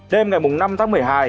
đêm ngày năm tháng một mươi hai